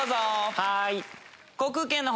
はい。